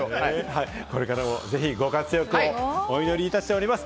これからもご活躍をお祈りしております。